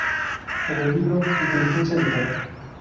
En el libro "Inteligencia vital.